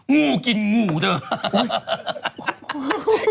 งูกินงูเถอะ